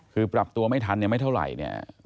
คือปรับตัวไม่ทันยังไม่เท่าไร